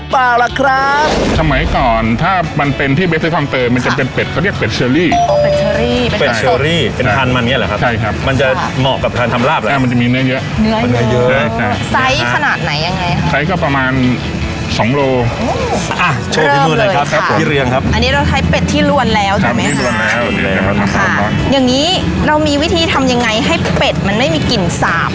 เป็ดเชอรี่เป็นทานมันอย่างเงี้ยเหรอครับใช่ครับมันจะเหมาะกับทานทำราบอะไรใช่มันจะมีเนื้อเยอะเนื้อเยอะใช่ครับไซส์ขนาดไหนยังไงครับไซส์ก็ประมาณสองโลอ๋ออ่ะโชว์พี่มือหน่อยครับครับพี่เรืองครับอันนี้เราใช้เป็ดที่รวนแล้วใช่ไหมครับใช่ครับค่ะอย่างงี้เรามีวิธีทำยังไงให้เป็ดมันไม่มีกลิ่นสาบ